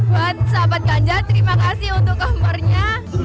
buat sahabat ganjar terima kasih untuk kamarnya